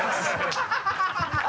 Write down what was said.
ハハハ